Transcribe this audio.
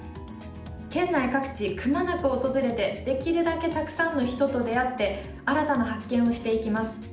県内各地くまなく訪れてできるだけたくさんの人と出会って新たな発見をしていきます。